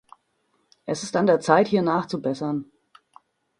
Es ist an der Zeit, hier nachzubessern.